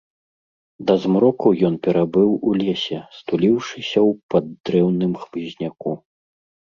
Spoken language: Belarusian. Да змроку ён перабыў у лесе, стуліўшыся ў паддрэўным хмызняку.